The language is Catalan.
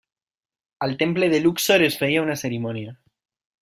Al temple de Luxor es feia una cerimònia.